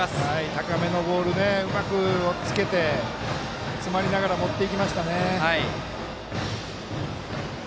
高めのボールうまくおっつけて詰まりながら持っていきましたね。